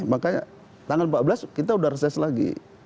makanya tanggal empat belas kita sudah reses lagi